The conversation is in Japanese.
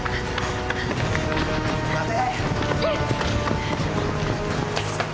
待て！